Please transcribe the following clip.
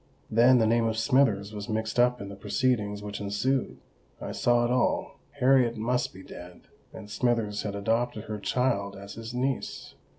Then the name of Smithers was mixed up in the proceedings which ensued: I saw it all—Harriet must be dead, and Smithers had adopted her child as his niece!